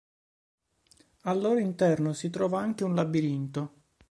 Al loro interno si trova anche un labirinto.